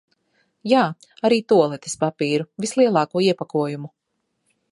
Jā, arī tualetes papīru, vislielāko iepakojumu.